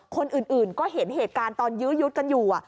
คนอื่นก็เห็นเหตุการณ์ตอนยื้อยุดกันอยู่